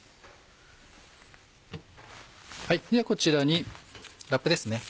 ではこちらにラップですね。